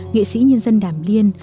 nghệ sĩ nhân dân đàm liên